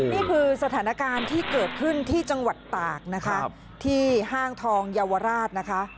นี่คือสถานการณ์ที่เกิดขึ้นที่จังหวัดตากนะคะที่ห้างทองเยาวราชนะคะ